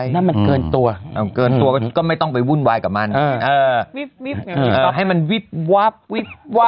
น่ะเราต้องอย่างนี้